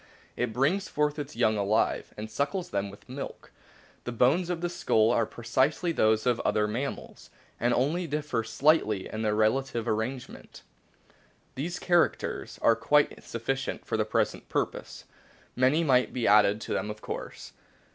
It brings forth its young alive, and suckles them with milk. The bones of the skull are precisely those of other mammals, and only differ slightly in their relative arrangement. These 95 96 A BOOK OF WHALES characters are quite sufficient for the present purpose ; many might be added to them of course.